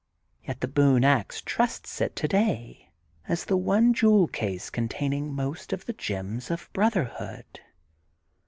Yet The Boone Ax trusts it today as the one jewel case containing most of the gems of brotherhood.